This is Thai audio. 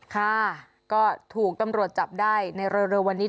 ค่ะก็ถูกตำรวจจับได้ในเร็ววันนี้